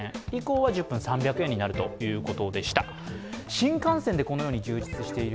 新幹線でこのように充実している。